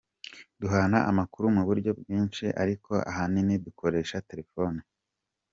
Duhana amakuru mu buryo bwinshi ariko ahanini dukoresha telefoni.